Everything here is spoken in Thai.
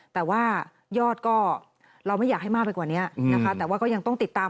แต่ว่ายอดเราไม่อยากให้มากไปกว่านี้ก็ยังต้องติดตาม